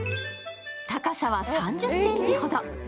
高さは３０ｃｍほど。